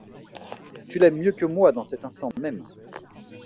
Tu l'aimes mieux que moi, dans cet instant même!